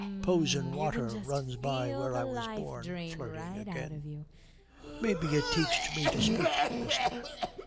'Prosen Water runs by where I was born.' Flirting again, 'May be it teached me to speak, mister.'